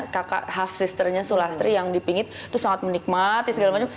kakak hafsisternya sulastri yang dipingit itu sangat menikmati segala macam